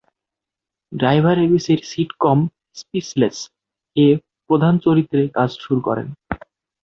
Driver এবিসির sitcom "স্পিচলেস"-এ প্রধান চরিত্রে কাজ শুরু করেন।